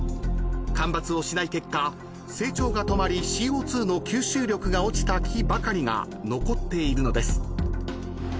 ［間伐をしない結果成長が止まりＣＯ２の吸収力が落ちた木ばかりが残っているのです］